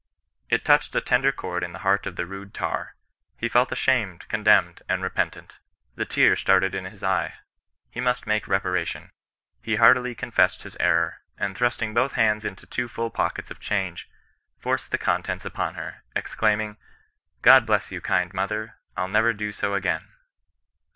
It touched a tender chord in the heart of the rude tar. He felt ashamed, condemned, and repentant. The tear started in his eye ; he must make reparation. He heartily confessed his error, and thrust ing both hands into his two full pockets of " ckange^'' forced the contents upon her, exclaiming, '^ God bless you, kind mother, I'll never do so again."